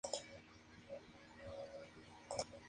Estaba situado en el extremo sur de la provincia.